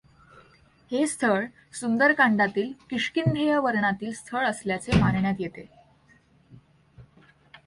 हे स्थळ सुंदरकांडातील किष्किंधेय वर्णनातील स्थळ असल्याचे मानण्यात येते.